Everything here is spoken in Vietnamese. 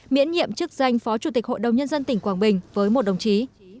miễn nhiệm chức danh phó chủ tịch hội đồng nhân dân tỉnh quảng bình với một đồng chí